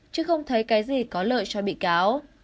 chứ không thấy cái gì có lợi cho bị cáo